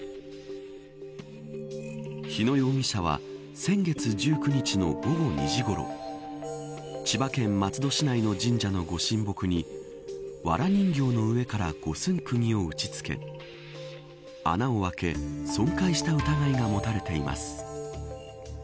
日野容疑者は先月１９日の午後２時ごろ千葉県松戸市内の神社のご神木にわら人形の上から五寸釘を打ち付け穴を開け損壊した疑いが持たれています。